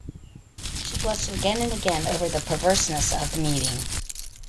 She blushed again and again over the perverseness of the meeting.